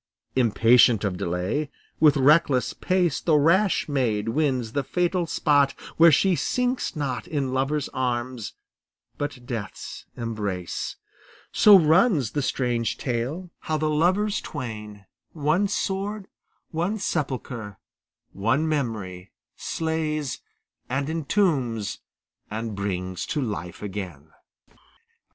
Impatient of delay, with reckless pace The rash maid wins the fatal spot where she Sinks not in lover's arms but death's embrace. So runs the strange tale, how the lovers twain One sword, one sepulchre, one memory, Slays, and entombs, and brings to life again.